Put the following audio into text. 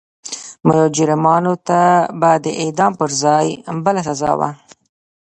مجرمانو ته به د اعدام پر ځای بله سزا وه.